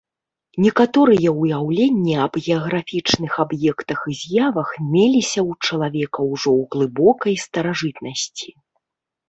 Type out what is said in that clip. Некаторыя ўяўленні аб геаграфічных аб'ектах і з'явах меліся ў чалавека ўжо ў глыбокай старажытнасці.